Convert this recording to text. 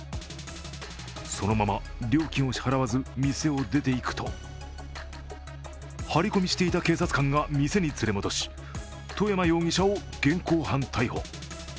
そのまま料金を支払わず、店を出て行くと張り込みしていた警察官が店に連れ戻し外山容疑者を現行犯逮捕。